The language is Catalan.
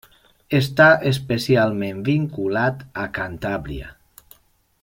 Està especialment vinculat a Cantàbria.